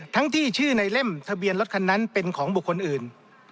ที่ชื่อในเล่มทะเบียนรถคันนั้นเป็นของบุคคลอื่น